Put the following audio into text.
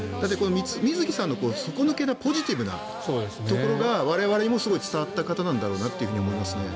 水木さんの底抜けなポジティブなところが我々も伝わった方なんだろうなと思います。